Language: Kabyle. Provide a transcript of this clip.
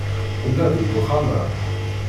Tella deg uxxam-a.